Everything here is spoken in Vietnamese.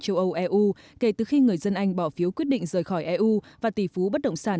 châu âu eu kể từ khi người dân anh bỏ phiếu quyết định rời khỏi eu và tỷ phú bất động sản